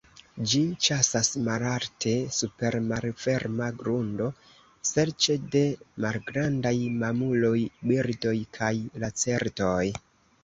Ĝi ĉasas malalte super malferma grundo serĉe de malgrandaj mamuloj, birdoj kaj lacertoj.